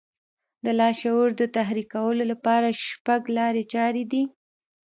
د لاشعور د تحريکولو لپاره شپږ لارې چارې دي.